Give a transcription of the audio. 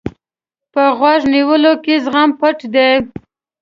په غوږ نیولو کې زغم پټ دی.